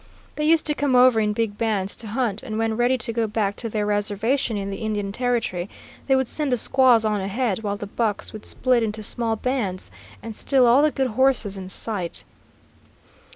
They used to come over in big bands to hunt, and when ready to go back to their reservation in the Indian Territory, they would send the squaws on ahead, while the bucks would split into small bands and steal all the good horses in sight.